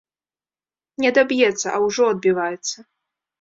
Не адаб'ецца, а ўжо адбіваецца.